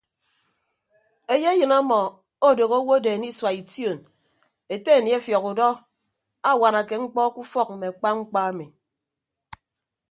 Eyeyịn ọmọ odooho owodeen isua ition ete aniefiọk udọ awanake mkpọ ke ufọk mme akpa mkpa ami.